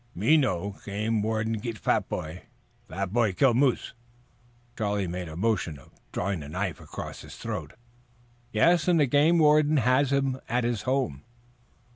"Me know. Game warden git fat boy. Fat boy kill moose." Charlie made a motion of drawing a knife across his throat. "Yes. And the game warden has him at his home."